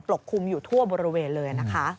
ปลกคลุมอยู่ทั่วบริเวณเลย